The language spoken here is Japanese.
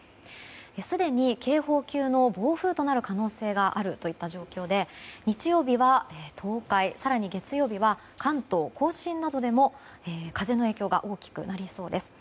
すでに警報級の暴風となる可能性があるといった状況で日曜日は東海更に月曜日は関東・甲信などでも風の影響が大きくなりそうです。